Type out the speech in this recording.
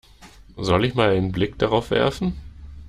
Soll ich mal einen Blick drauf werfen?